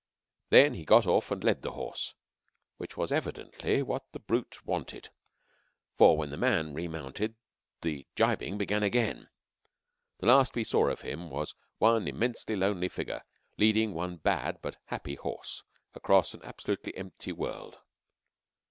Then he got off and led the horse, which was evidently what the brute wanted, for when the man remounted the jibbing began again. The last we saw of him was one immensely lonely figure leading one bad but happy horse across an absolutely empty world.